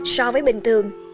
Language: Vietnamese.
so với bình thường